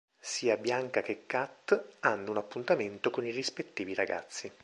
Sia Bianca che Kat hanno un appuntamento con i rispettivi ragazzi.